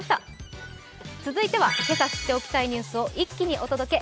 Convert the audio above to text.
続いては、今朝知っておきたいニュースを一気にお届け。